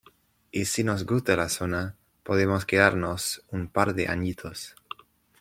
Y si nos gusta la zona podemos quedarnos un par de añitos.